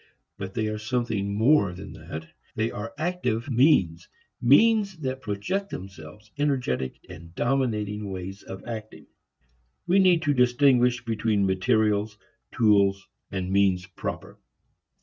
But they are something more than that. They are active means, means that project themselves, energetic and dominating ways of acting. We need to distinguish between materials, tools and means proper.